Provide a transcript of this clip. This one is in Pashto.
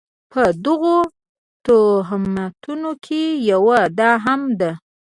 په دغو توهماتو کې یوه دا هم ده.